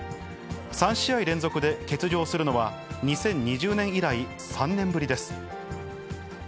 ３試合連続で欠場するのは、２０２０年以来３年ぶりです。